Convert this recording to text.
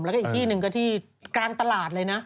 แล้วก็อีกที่หนึ่งก็ที่กลางตลาดเลยนะ